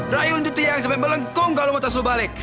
rayu untuk tiang sampe melengkung kalo mau tas lo balik